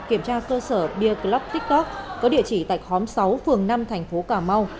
kiểm tra cơ sở beer clup tiktok có địa chỉ tại khóm sáu phường năm thành phố cà mau